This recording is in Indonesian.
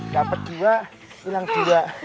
dapet dua hilang dua